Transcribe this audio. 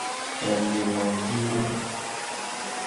Tome laviwo.